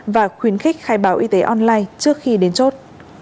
và khuyến khích khai báo y tế online trước khi đến chốt